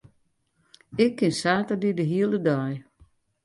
Ik kin saterdei de hiele dei.